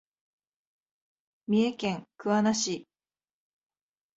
三重県桑名市